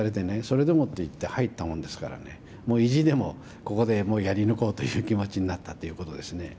それでもっていって入ったもんですからね意地でもここでもうやり抜こうという気持ちになったということですね。